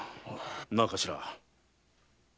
なあ頭？